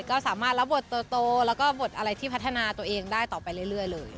ก็สามารถรับบทโตแล้วก็บทอะไรที่พัฒนาตัวเองได้ต่อไปเรื่อยเลย